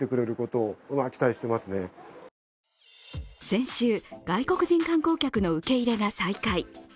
先週、外国人観光客の受け入れが再開。